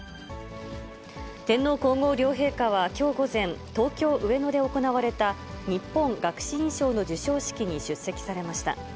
天皇皇后両陛下はきょう午前、東京・上野で行われた日本学士院賞の授賞式に出席されました。